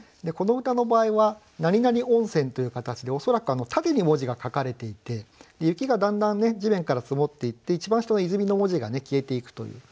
この歌の場合は何々温泉という形で恐らく縦に文字が書かれていて雪がだんだん地面から積もっていって一番下の「泉」の文字が消えていくという。